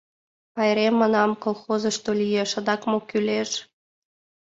— Пайрем, манам, колхозышто лиеш, адак мо кӱлеш?